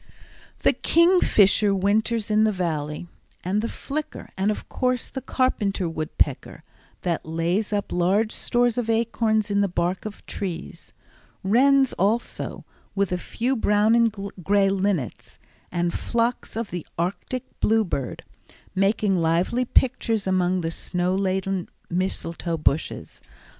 The kingfisher winters in the Valley, and the flicker and, of course, the carpenter woodpecker, that lays up large stores of acorns in the bark of trees; wrens also, with a few brown and gray linnets, and flocks of the arctic bluebird, making lively pictures among the snow laden mistletoe bushes.